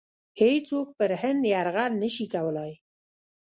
هیڅوک پر هند یرغل نه شي کولای.